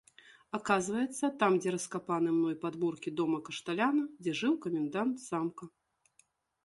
Аказваецца, там, дзе раскапаны мной падмуркі дома кашталяна, дзе жыў камендант замка.